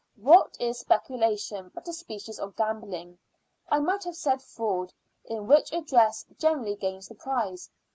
What is speculation but a species of gambling, I might have said fraud, in which address generally gains the prize?